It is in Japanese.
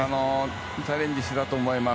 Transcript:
チャレンジしたと思います。